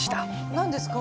何ですか？